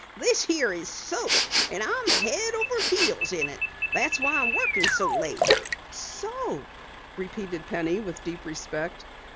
This here is soap and I'm head over heels in it. That's why I'm workin' so late." "Soap," repeated Penny with deep respect.